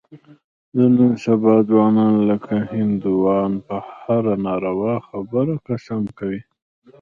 د نن سبا ځوانان لکه هندوان په هره ناروا خبره قسم خوري.